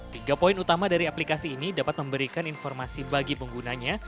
tiga poin utama dari aplikasi ini dapat memberikan informasi bagi penggunanya